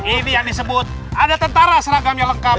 ini yang disebut ada tentara seragam yang lengkap